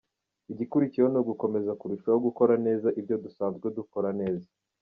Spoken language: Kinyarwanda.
Igikurikiyeho ni ugukomeza kurushaho gukora neza ibyo dusanzwe dukora neza.